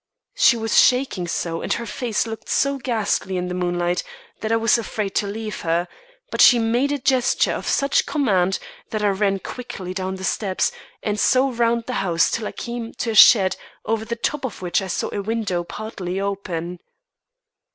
She was shaking so and her face looked so ghastly in the moonlight that I was afraid to leave her; but she made me a gesture of such command that I ran quickly down the steps, and so round the house till I came to a shed over the top of which I saw a window partly open.